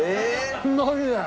マジで。